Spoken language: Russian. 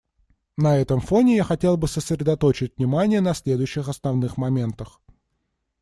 На этом фоне я хотел бы сосредоточить внимание на следующих основных моментах.